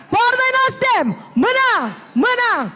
partai nasdem menang